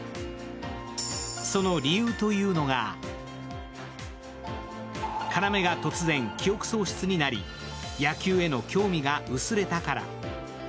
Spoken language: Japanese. その理由というのが要が突然記憶喪失になり野球への興味が薄れたから。